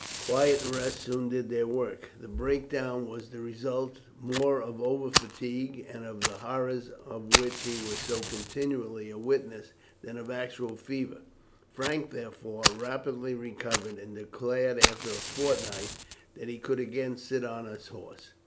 Quiet and rest soon did their work. The breakdown was the result more of over fatigue, and of the horrors of which he was so continually a witness, than of actual fever. Frank, therefore, rapidly recovered, and declared after a fortnight that he could again sit on his horse.